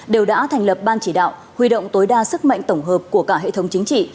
đều đã thành lập ban chỉ đạo huy động tối đa sức mạnh tổng hợp của cả hệ thống chính trị